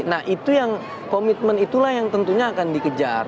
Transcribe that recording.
nah itu yang komitmen itulah yang tentunya akan dikejar